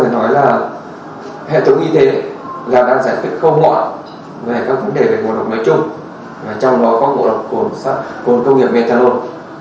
chúng ta nói là hệ thống y tế là đang giải quyết câu hỏi về các vấn đề về ngộ độc nói chung và trong đó có ngộ độc cồn sắt cồn công nghiệp methanol